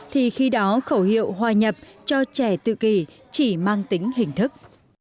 thì khi đó khẩu hiệu hòa nhập cho trẻ tự kỷ chỉ mang tính hình thức